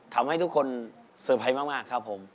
ทำให้ทุกคนเซอร์ไพรส์มากครับผม